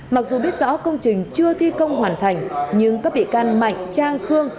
mặc dù biết rõ công trình chưa thi công hoàn thành nhưng các bị can mạnh trang khương